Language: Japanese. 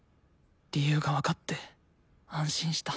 理由が分かって安心した。